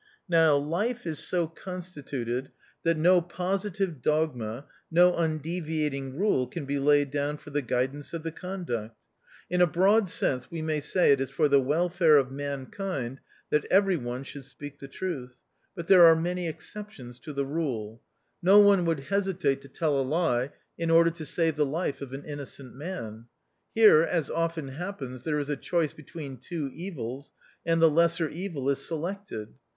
Now life is so constituted that no positive dogma, no undeviating rule can be laid down for the guidance of the con duct. In a broad sense, we may say it is for the welfare of mankind that every one should speak the truth, but there are many THE OUTCAST. 113 exceptions to the rule. No one would hesitate to tell a lie in order to save the life of an innocent man. Here, as often hap pens, there is a choice between two evils, and the lesser evil is selected.